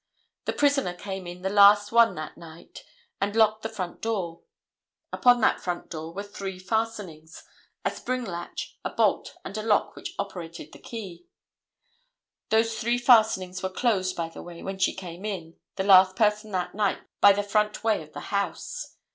The prisoner came in the last one that night and locked the front door. Upon that front doer were three fastenings, a spring latch, a bolt and a lock which operated by key. Those three fastenings were closed, by the way, when she came in, the last person that night by the front way of the house.